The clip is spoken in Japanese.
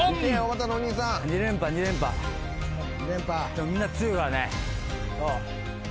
でもみんな強いからね。